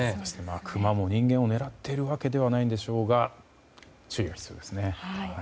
クマも人間を狙っているわけではないんでしょうが注意が必要ですね。